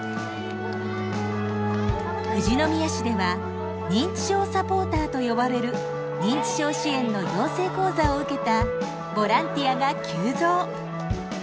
富士宮市では認知症サポーターと呼ばれる認知症支援の養成講座を受けたボランティアが急増。